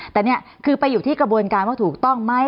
แต่นี่คือไปอยู่ที่กระบวนการว่าถูกต้องไหม